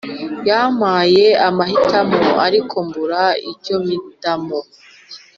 Yamaye amahitamo ariko mbura icyo mitamo